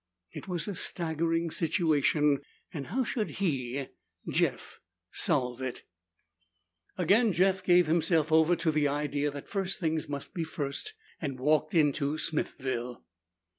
It was a staggering situation and how should he, Jeff, solve it? Again Jeff gave himself over to the idea that first things must be first and walked into Smithville.